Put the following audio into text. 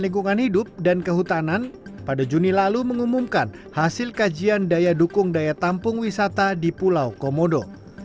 lingkungan hidup dan kehutanan pada juni lalu mengumumkan hasil kajian daya dukung daya tampung wisata di pulau komodo